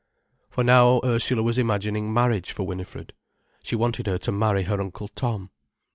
For now Ursula was imagining marriage for Winifred. She wanted her to marry her Uncle Tom.